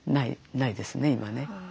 ないですね今ね。